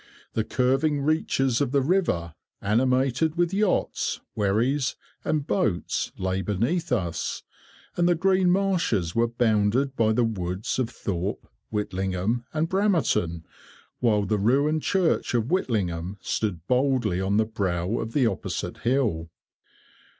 The curving reaches of the river, animated with yachts, wherries, and boats, lay beneath us, and the green marshes were bounded by the woods of Thorpe, Whitlingham, and Bramerton, while the ruined church of Whitlingham stood boldly on the brow of the opposite hill.